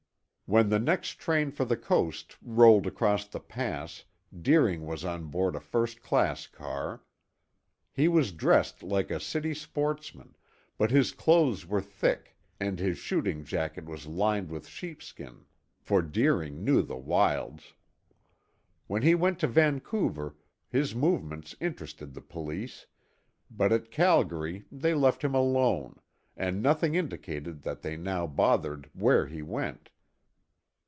When the next train for the coast rolled across the pass Deering was on board a first class car. He was dressed like a city sportsman, but his clothes were thick and his shooting jacket was lined with sheepskin, for Deering knew the wilds. When he went to Vancouver his movements interested the police, but at Calgary they left him alone, and nothing indicated that they now bothered where he went.